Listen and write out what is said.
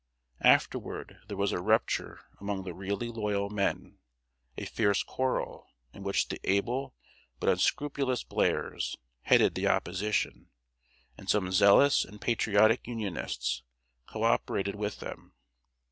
Afterward there was a rupture among the really loyal men; a fierce quarrel, in which the able but unscrupulous Blairs headed the opposition, and some zealous and patriotic Unionists co operated with them.